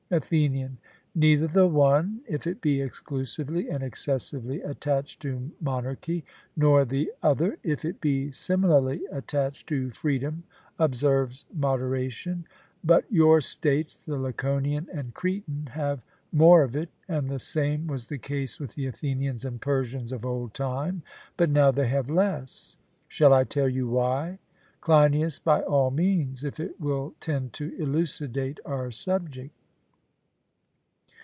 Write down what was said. ATHENIAN: Neither the one, if it be exclusively and excessively attached to monarchy, nor the other, if it be similarly attached to freedom, observes moderation; but your states, the Laconian and Cretan, have more of it; and the same was the case with the Athenians and Persians of old time, but now they have less. Shall I tell you why? CLEINIAS: By all means, if it will tend to elucidate our subject.